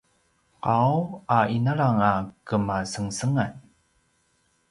qau a inalang a kemasengesengan